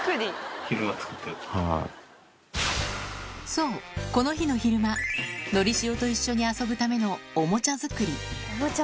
そう、この日の昼間、のりしおと一緒に遊ぶためのおもちゃ作り。